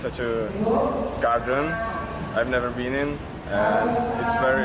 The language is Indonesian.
saya tidak pernah berada di kria anggrek ini